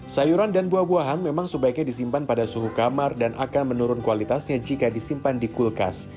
sayuran dan buah buahan memang sebaiknya disimpan pada suhu kamar dan akan menurun kualitasnya jika disimpan di kulkas